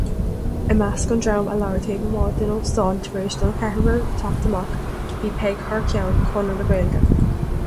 I measc an dream a labhair taobh amuigh den óstán tar éis don cheathrar teacht amach, bhí Peig thar ceann Chonradh na Gaeilge.